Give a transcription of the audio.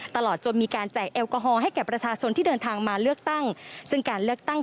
ตลอดจนมีการจ่ายแอลกอฮอล์ให้กับประชาชนที่เดินทางมาเลือกตั้ง